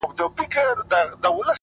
نیکي د وخت په حافظه کې پاتې کېږي؛